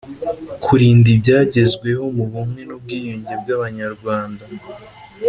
kurinda ibyagezweho mu bumwe n’ubwiyunge bw’abanyarwanda